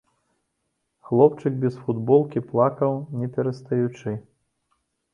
Хлопчык без футболкі плакаў не перастаючы.